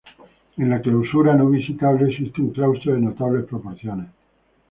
En la clausura, no visitable, existe un claustro de notables proporciones.